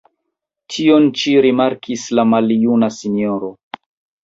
Tion ĉi rimarkis la maljuna sinjoro.